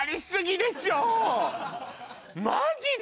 マジで？